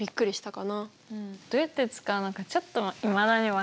どうやって使うのかちょっといまだに分かってない。